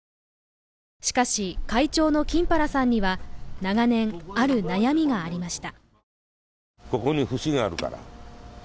しかし、会長の金原さんには長年、ある悩みがありました。